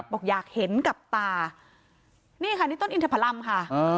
บอกอยากเห็นกับตานี่ค่ะนี่ต้นอินทพลัมค่ะ